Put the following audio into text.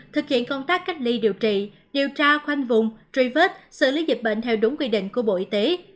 thực hiện công tác cách ly điều trị điều tra khoanh vùng truy vết xử lý dịch bệnh theo đúng quy định của bộ y tế